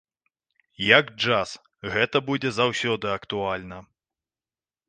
Як джаз, гэта будзе заўсёды актуальна.